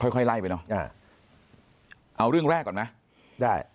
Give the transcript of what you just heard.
ค่อยไล่ไปเนอะเอาเรื่องแรกก่อนไหมได้